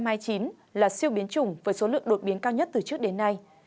b một một năm trăm hai mươi chín là siêu biến chủng với số lượng đột biến cao nhất từ trước đến nay